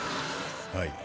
はい。